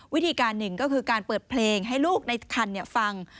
วิธีการหนึ่งก็คือการเปิดเพลงให้ลูกในคันฟัง